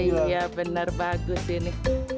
oh iya bener bagus ini